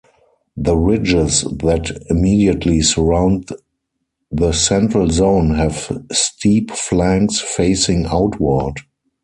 The ridges that immediately surround the central zone have steep flanks facing outward.